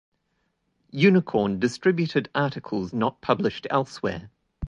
Unicorn distributed articles not published elsewhere.